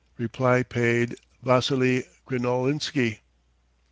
Reply paid. Vassily Krinolinsky."